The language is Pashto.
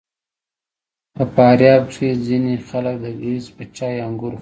په فاریاب کې ځینې خلک د ګیځ په چای انګور خوري.